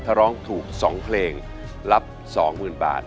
ถ้าร้องถูก๒เพลงรับ๒๐๐๐บาท